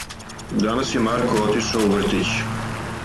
Данас је Марко отишао у вртић.